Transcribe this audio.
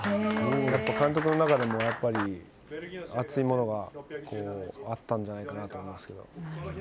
監督の中でも、やっぱり熱いものがあったんじゃないかと思いますけど。